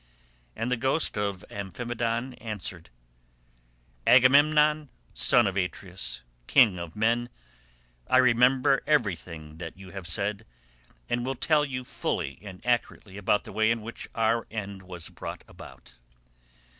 And the ghost of Amphimedon answered, "Agamemnon, son of Atreus, king of men, I remember everything that you have said, and will tell you fully and accurately about the way in which our end was brought about.